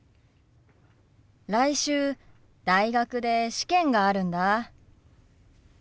来週大学で試験があるんだ。